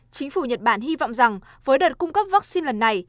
chính phủ nhật bản hy vọng rằng với đợt cung cấp vaccine lần này